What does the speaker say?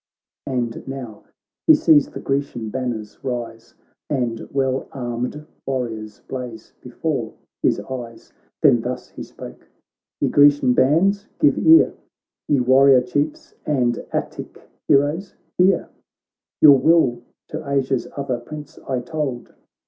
And n ow he sees the Grecian banners rise, And well armed warriors blaze before his eyes. Then thus he spoke : 'Ye Grecian bands, give ear. Ye warrior Chiefs and Attic heroes hear ! Your will to Asia's other Prince I told.